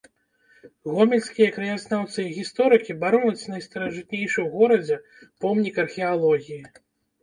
Гомельскія краязнаўцы і гісторыкі бароняць найстаражытнейшы ў горадзе помнік археалогіі.